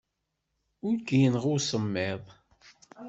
Ur k-yenɣi usemmiḍ.